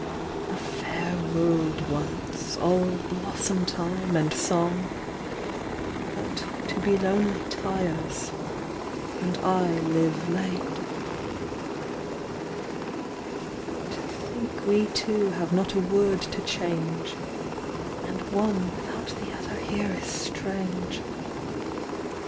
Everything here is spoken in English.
A f^dr world once, all blossom time and song ; But to be lonely tires, and I live late. To think we two have not a word to change : And one without the other here is strange